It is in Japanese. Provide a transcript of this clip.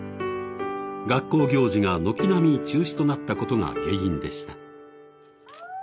学校行事が軒並み中止となったことが原因でした。